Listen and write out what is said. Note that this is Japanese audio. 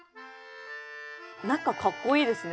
中かっこいいですね